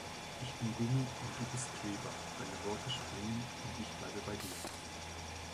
Ich bin Gummi und du bist Kleber. Deine Worte springen und ich bleibe bei dir.